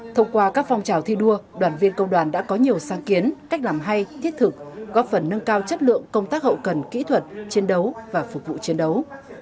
thông qua các phong trào thi đua đoàn viên công đoàn đã có nhiều sáng kiến cách làm hay thiết thực góp phần nâng cao chất lượng công tác hậu cần kỹ thuật chiến đấu và phục vụ chiến đấu